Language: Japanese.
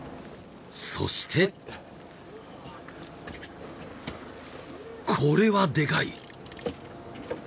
そしてこれはでかい！